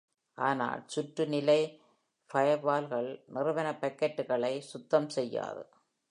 ஆனால் சுற்று-நிலை ஃபயர்வால்கள் நிறுவன பாக்கெட்டுகளை சுத்தம் செய்யாது.